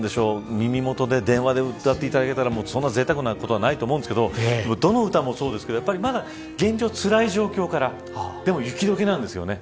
耳元で電話で歌っていただけるというぜいたくなことはないと思いますがどの歌もそうですが現状つらい状況からでも雪解けなんですよね。